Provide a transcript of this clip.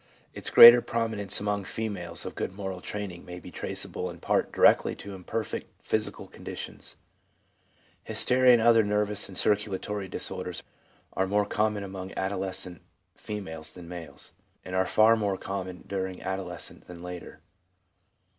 Its greater prominence among females of good moral training may be traceable in part directly to irpperfect physical conditions. Hysteria and other nervous and circulatory disorders are more common among adolescent females than males, 1 and far more common during adolescence than later.